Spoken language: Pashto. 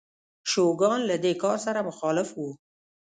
شوګان له دې کار سره مخالف و.